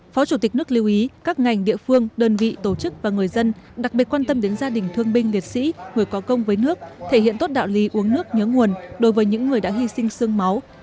phó chủ tịch nước lưu ý các ngành địa phương đơn vị tổ chức và người dân đặc biệt quan tâm đến gia đình thương binh liệt sĩ người có công với nước thể hiện tốt đạo lý uống nước nhớ nguồn đối với những người đã hy sinh sương máu